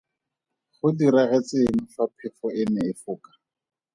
Go diragetse eng fa phefo e ne e foka?